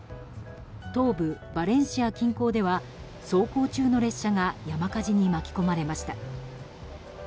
東部バレンシア近郊では走行中の列車が山火事に巻き込まれました。